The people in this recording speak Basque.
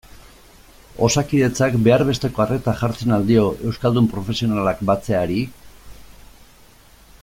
Osakidetzak behar besteko arreta jartzen al dio euskaldun profesionalak batzeari?